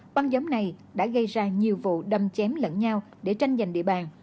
băng nhóm này đã gây ra nhiều vụ đâm chém lẫn nhau để tranh giành địa bàn